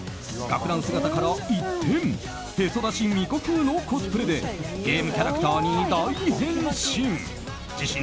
学ラン姿から一転へそ出し巫女風のコスプレでゲームキャラクターに大変身！